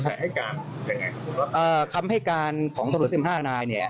ในคำให้การของตำรวจ๑๕นาย